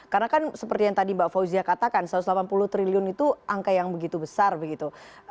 karena kan seperti yang tadi mbak fauzia katakan satu ratus delapan puluh triliun itu angka yang begitu besar begitu